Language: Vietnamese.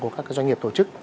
của các doanh nghiệp tổ chức